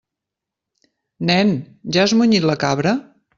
Nen, ja has munyit la cabra?